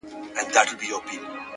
ژوند مي د هوا په لاس کي وليدی”